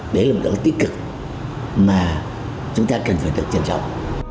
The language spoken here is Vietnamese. đấy là một động tác tích cực mà chúng ta cần phải được trân trọng